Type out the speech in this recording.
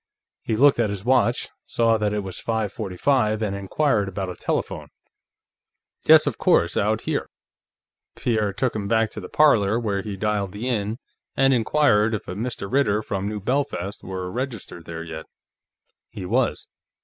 He looked at his watch, saw that it was five forty five, and inquired about a telephone. "Yes, of course; out here." Pierre took him back to the parlor, where he dialed the Inn and inquired if a Mr. Ritter, from New Belfast, were registered there yet. He was.